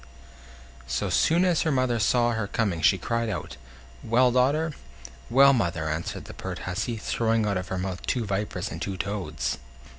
So soon as her mother saw her coming she cried out: "Well, daughter?" "Well, mother?" answered the pert hussy, throwing out of her mouth two vipers and two toads.